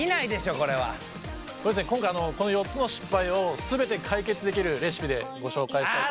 これですね今回この４つの失敗を全て解決できるレシピでご紹介したいと思います。